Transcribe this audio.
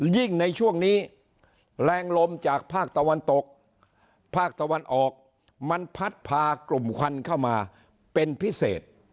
ยิ่งในช่วงนี้แรงลมจากภาคตะวันตกภาคตะวันออกมันพัดพากลุ่มควันเข้ามาเป็นพิเศษ